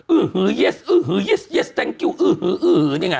อื้อฮือเยสอื้อฮือเยสเยสแท็งกิวอื้อฮืออื้อฮือเนี่ยไง